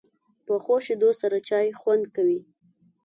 پخو شیدو سره چای خوند کوي